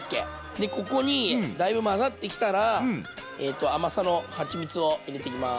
でここにだいぶ混ざってきたら甘さのはちみつを入れていきます。